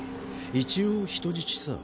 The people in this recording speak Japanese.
一応人質さ。